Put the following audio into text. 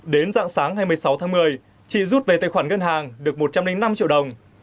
đến dạng sáng ngày một mươi sáu tháng một mươi chị rút về tài khoản ngân hàng được một trăm linh năm triệu đồng